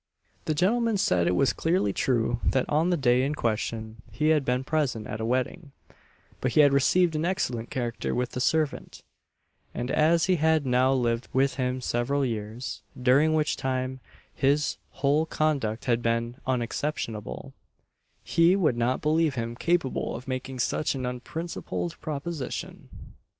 The gentleman said it was certainly true that on the day in question he had been present at a wedding; but he had received an excellent character with the servant, and as he had now lived with him several years, during which time his whole conduct had been unexceptionable, he would not believe him capable of making such an unprincipled proposition.